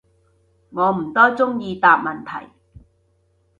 我唔多中意答問題